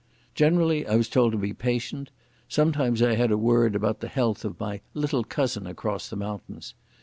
Generally I was told to be patient. Sometimes I had word about the health of "my little cousin across the mountains".